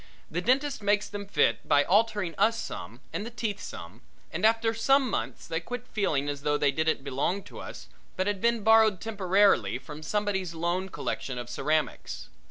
The dentist makes them fit by altering us some and the teeth some, and after some months they quit feeling as though they didn't belong to us but had been borrowed temporarily from somebody's loan collection of ceramics.